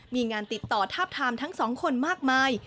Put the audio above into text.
มีงานติดต่อทาบทามทั้งสองคนมากมาย